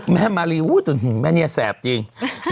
แม่ง้ายบุ้ดแม่นี่อย่าแสบจริง